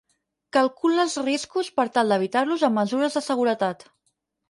Calcula els riscos per tal d'evitar-los amb mesures de seguretat.